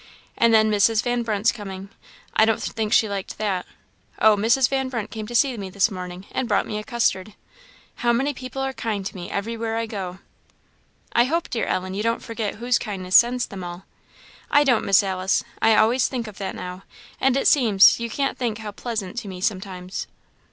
And then Mrs. Van Brunt's coming I don't think she liked that. Oh, Mrs. Van Brunt came to see me this morning, and brought me a custard. How many people are kind to me, everywhere I go." "I hope, dear Ellen, you don't forget whose kindness sends them all." "I don't, Miss Alice; I always think of that now; and it seems, you can't think how pleasant, to me sometimes."